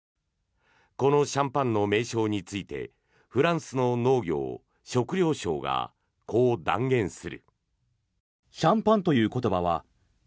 このシャンパンの名称についてフランスの農業・食料相がこう断言する。